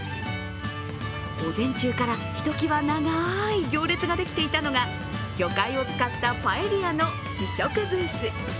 午前中から、ひときわ長い行列ができていたのが魚介を使ったパエリアの試食ブース。